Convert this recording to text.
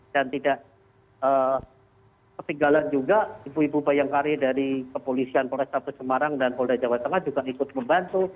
dan tidak ketinggalan juga ibu ibu bayangkari dari kepolisian polres tata semarang dan polda jawa tengah juga ikut membantu